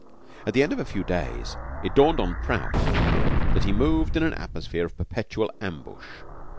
At the end of a few days, it dawned on Prout that he moved in an atmosphere of perpetual ambush.